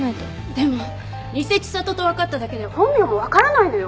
でもニセ知里とわかっただけで本名もわからないのよ。